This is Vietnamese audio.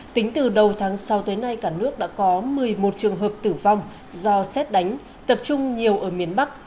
tính từ đầu tháng sáu tới nay cả nước đã có một mươi một trường hợp tử vong do xét đánh tập trung nhiều ở miền bắc